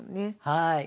はい。